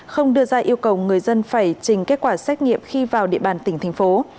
không đưa ra yêu cầu người dân phải trình kết quả xét nghiệm khi vào địa bàn tỉnh thành phố